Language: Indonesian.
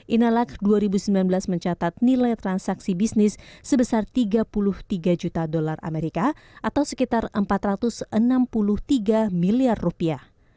inalak dua ribu sembilan belas mencatat nilai transaksi bisnis sebesar tiga puluh tiga juta dolar amerika atau sekitar empat ratus enam puluh tiga miliar rupiah